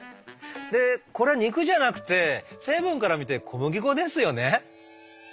でこれ肉じゃなくて成分から見て小麦粉ですよね」。